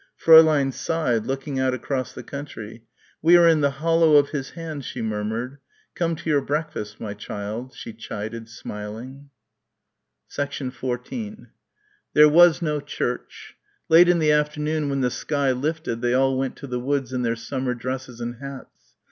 Fräulein sighed, looking out across the country. "We are in the hollow of His hand," she murmured. "Come to your breakfast, my child," she chided, smiling. 14 There was no church. Late in the afternoon when the sky lifted they all went to the woods in their summer dresses and hats.